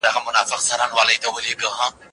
هره توره، هر میدان، او تورزن زما دی